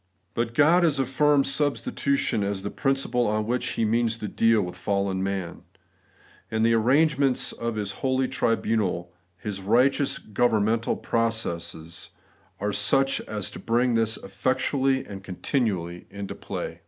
But God has affirmed suistitution as the principle on which he means to deal with fallen man ; and the arrangements of His holy tribunal. His righteous governmental processes, are such as to bring this effectually and continually into play.